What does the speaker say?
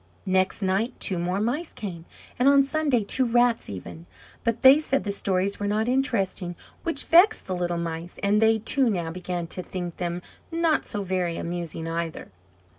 Next night two more Mice came, and on Sunday two Rats, even; but they said the stories were not interesting, which vexed the little Mice; and they, too, now began to think them not so very amusing either.